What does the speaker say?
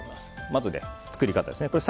まず、作り方です。